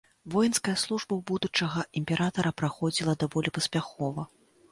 Воінская служба ў будучага імператара праходзіла даволі паспяхова.